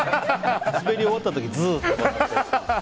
滑り終わった時、ズーって。